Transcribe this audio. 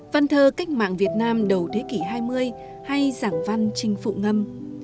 văn thơ cách mạng việt nam đầu thế kỷ hai mươi hay giảng văn trinh phụ ngâm